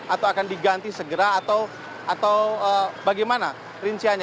atau akan diganti segera atau bagaimana rinciannya